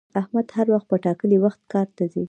احمد هر وخت په ټاکلي وخت کار ته ځي